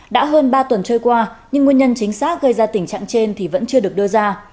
đã hơn ba tuần trôi qua nhưng nguyên nhân chính xác gây ra tình trạng trên thì vẫn chưa được đưa ra